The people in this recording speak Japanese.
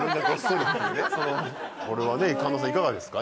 これはね神田さんいかがですか？